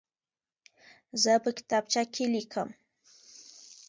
زه په کتابچه کې لیکم.